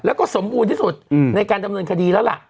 แล้วก็สมบูรณ์ที่สุดในการดำเนินคดีแล้วล่ะ